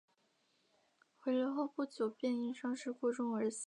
回来后不久便因伤势过重而死。